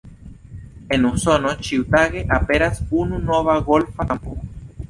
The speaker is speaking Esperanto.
En Usono ĉiutage aperas unu nova golfa kampo.